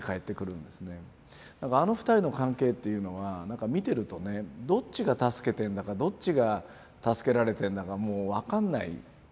なんかあの二人の関係っていうのはなんか見てるとねどっちが助けてんだかどっちが助けられてんだかもう分かんない。